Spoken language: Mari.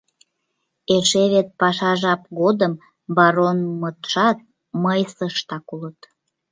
Эше вет паша жап годым, баронмытшат мыйсыштак улыт.